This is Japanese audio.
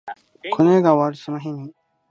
この世が終わるその日に